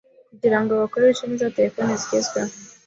kugira ngo bakoreshe neza terefone zigezweho.